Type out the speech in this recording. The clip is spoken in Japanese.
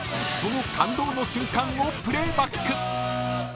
その感動の瞬間をプレーバック。